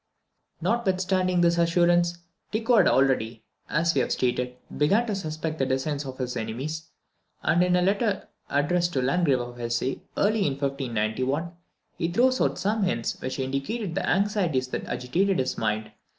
Notwithstanding this assurance, Tycho had already, as we have stated, begun to suspect the designs of his enemies; and in a letter addressed to the Landgrave of Hesse, early in 1591, he throws out some hints which indicated the anxieties that agitated his mind.